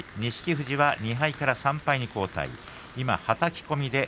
富士は２敗から３敗に後退。